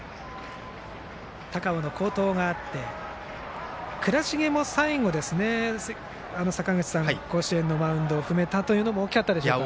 高尾の好投があって、倉重も最後坂口さん、甲子園のマウンドを踏めたことも大きかったでしょうか。